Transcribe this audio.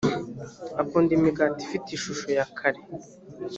akunda imigati ifite ishusho ya kare